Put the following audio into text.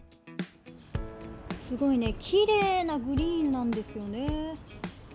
すごいきれいなグリーンなんですよね。